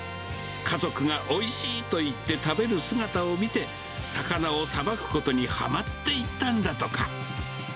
家族がおいしいと言って食べる姿を見て、魚をさばくことにはまっていったんだとか。